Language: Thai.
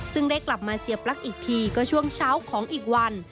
ซึ่งได้กลับมาเสียปลั๊กอีกทีก็ช่วงเช้าของอีกวัน